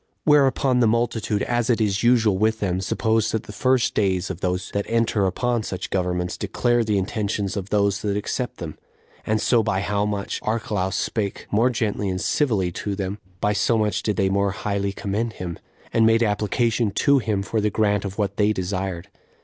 Whereupon the multitude, as it is usual with them, supposed that the first days of those that enter upon such governments declare the intentions of those that accept them; and so by how much Archelaus spake the more gently and civilly to them, by so much did they more highly commend him, and made application to him for the grant of what they desired.